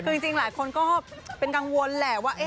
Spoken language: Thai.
คือจริงหลายคนก็เป็นกังวลแหละว่า